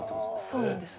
そうなんです。